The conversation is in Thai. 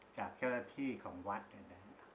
จากแก้วละที่ของวัด